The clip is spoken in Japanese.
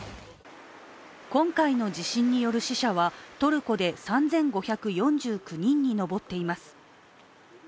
今回の地震による死者はトルコで３５４９人に上っています。